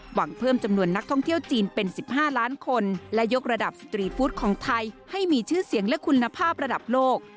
หวังเพิ่มจำนวนนักท่องเที่ยวจีนเป็น๑๕ล้านคนและยกระดับสตรีทฟู้ดของไทยให้มีชื่อเสียงและคุณภาพระดับโลก